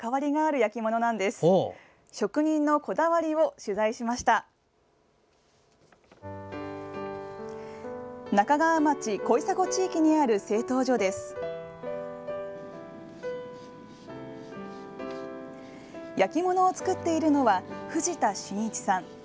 焼き物を作っているのは藤田眞一さん。